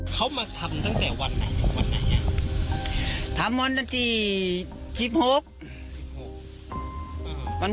๓๔วันก็วันนี้วันที่ยัง๒๐แล้วมีเรียวตะวัน